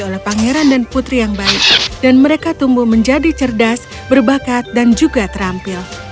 oleh pangeran dan putri yang baik dan mereka tumbuh menjadi cerdas berbakat dan juga terampil